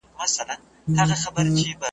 عُمر مي وعدو د دروغ وخوړی .